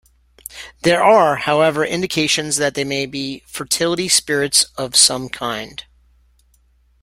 There are, however, indications that they may be fertility spirits of some kind.